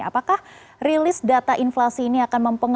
apakah rilis data inflasi ini akan mempengaruhi